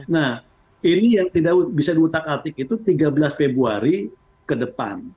nah ini yang tidak bisa diutak atik itu tiga belas februari ke depan